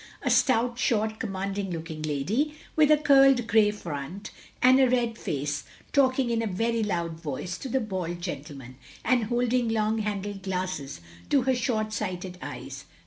A stout, short, commanding looking lady, with a curled grey front, and a rad face, talking in a very loud voice to the bald gentleman, and holding long handled glasses to her short sighted eyes.